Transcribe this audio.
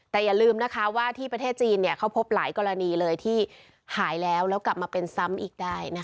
แต่อย่าลืมนะคะว่าที่ประเทศจีนเขาพบหลายกรณีเลยที่หายแล้วแล้วกลับมาเป็นซ้ำอีกได้นะคะ